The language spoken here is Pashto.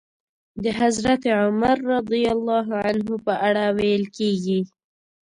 د حضرت عمر رض په اړه ويل کېږي.